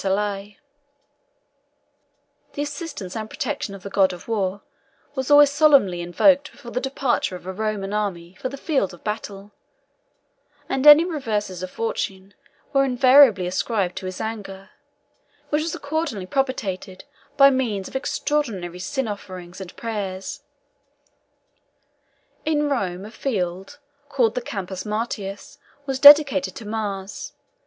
The assistance and protection of the god of war was always solemnly invoked before the departure of a Roman army for the field of battle, and any reverses of fortune were invariably ascribed to his anger, which was accordingly propitiated by means of extraordinary sin offerings and prayers. In Rome a field, called the Campus Martius, was dedicated to Mars.